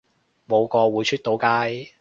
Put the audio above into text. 冇個會出到街